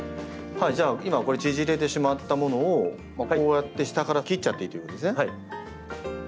じゃあ今これ縮れてしまったものをこうやって下から切っちゃっていいということですね。